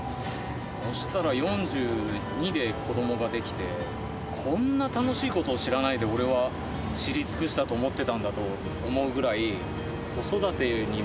そしたら４２で子どもができてこんな楽しい事を知らないで俺は知り尽くしたと思ってたんだと思うぐらい。